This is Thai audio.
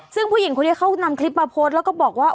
ซึ่งผู้หญิงคนนี้เขานำคลิปมาโพสต์แล้วก็บอกว่า